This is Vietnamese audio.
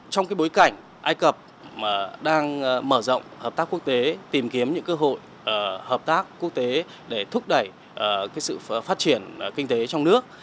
trong bối cảnh ai cập đang mở rộng hợp tác quốc tế tìm kiếm những cơ hội hợp tác quốc tế để thúc đẩy sự phát triển kinh tế trong nước